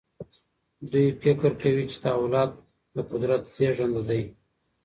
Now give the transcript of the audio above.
دوی فکر کوي چي تحولات د قدرت زیږنده دي.